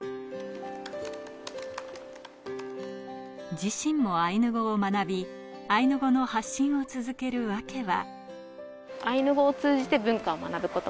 自身もアイヌ語を学び、アイヌ語の発信を続けるわけは。